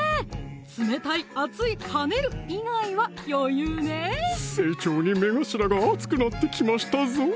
冷たい・熱い・跳ねる以外は余裕ね成長に目頭が熱くなってきましたぞ！